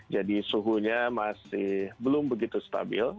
jadi suhunya masih belum begitu stabil